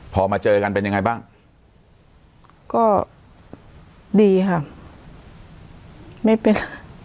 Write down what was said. พอมาเจอกันเป็นยังไงบ้างก็ดีค่ะไม่เป็น